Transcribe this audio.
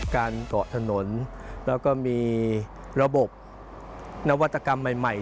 เกาะถนนแล้วก็มีระบบนวัตกรรมใหม่ใหม่